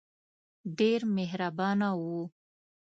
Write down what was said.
ډېر مهربانه وو.